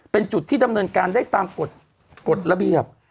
เป็นจุดที่ดำเนินการได้ตามกฎระเบียบ